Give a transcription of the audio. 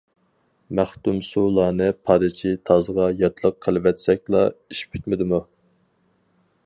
مەختۇمسۇلانى پادىچى تازغا ياتلىق قىلىۋەتسەكلا ئىش پۈتمىدىمۇ.